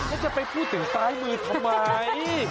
แล้วจะไปพูดถึงซ้ายมือทำไม